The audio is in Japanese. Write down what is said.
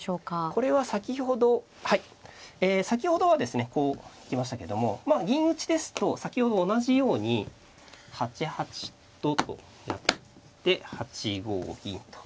これは先ほどはい先ほどはですねこう来ましたけどもまあ銀打ちですと先ほど同じように８八ととやって８五銀と。